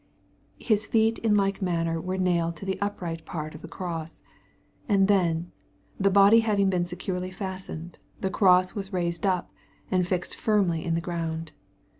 His feet in like manner were nailed to the upright part of the cross. And then, the body having been securely fastened, the cross was raised up, and fixed firmly in the ground.